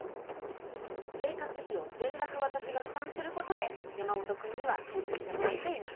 生活費を全額私が負担することで山本君にはテークしてもらっています。